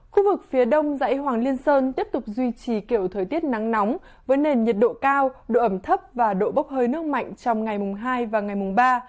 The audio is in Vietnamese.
khu vực phía đông dãy hoàng liên sơn tiếp tục duy trì kiểu thời tiết nắng nóng với nền nhiệt độ cao độ ẩm thấp và độ bốc hơi nước mạnh trong ngày mùng hai và ngày mùng ba